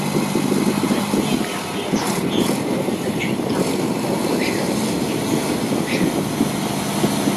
本列表列出所罗门群岛的活火山与死火山。